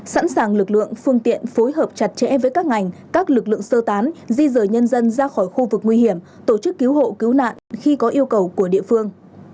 sẵn sàng lực lượng phương tiện phối hợp chặt chẽ với các ngành các lực lượng sơ tán di rời nhân dân ra khỏi khu vực nguy hiểm tổ chức cứu hộ cứu nạn khi có yêu cầu của địa phương